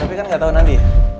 tapi kan gak tau nanti